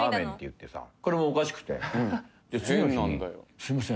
すいません。